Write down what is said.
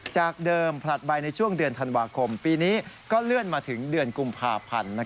จากเดิมผลัดใบในช่วงเดือนธันวาคมปีนี้ก็เลื่อนมาถึงเดือนกุมภาพันธ์